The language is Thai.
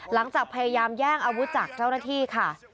หลังจากพยายามแย่งอาวุธจากเจ้าหน้าที่ค่ะ